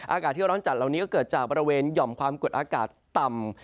อากาศที่ร้อนจัดเหล่านี้ก็เกิดจากบริเวณหย่อมความกดอากาศต่ำ